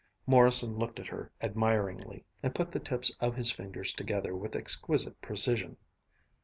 Morrison looked at her admiringly, and put the tips of his fingers together with exquisite precision.